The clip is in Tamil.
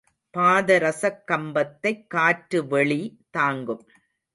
பாதரசக் கம்பத்தைக் காற்று வெளி தாங்கும்.